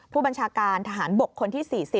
ผู้บัญชาการทหารบกคนที่๔๐